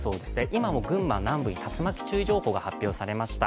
今も群馬南部に竜巻注意情報が発表されました。